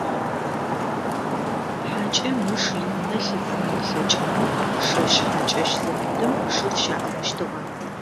Хьакӏэм ыш игъунэ лъифын ылъэкӏынэу шэщ-хьакӏэщ зэпытым шыр щаӏыгъыщтыгъэ.